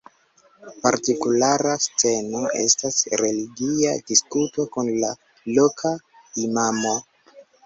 Partikulara sceno estas religia diskuto kun la loka imamo.